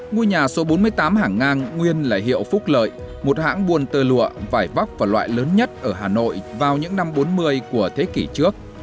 ngôi nhà số bốn mươi tám hàng ngang nguyên là hiệu phúc lợi một hãng buôn tơ lụa vải vóc và loại lớn nhất ở hà nội vào những năm bốn mươi của thế kỷ trước